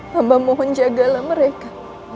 hamba mohon jagalah mereka